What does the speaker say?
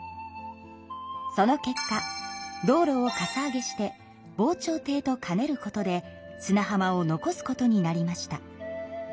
その結果道路をかさ上げして防潮堤と兼ねることで砂浜を残すことになりました。